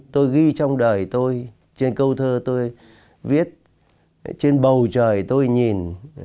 tôi ghi trong đời tôi trên câu thơ tôi viết trên bầu trời tôi nhìn